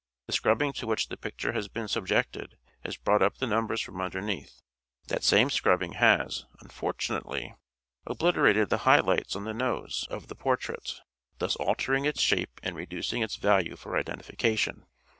The scrubbing to which the picture has been subjected has brought up the numbers from underneath. That same scrubbing has, un fortunately, obliterated the high lights on the nose of 536 "SHAKESPEARE" IDENTIFIED the portrait, thus altering its shape and reducing its value for identification.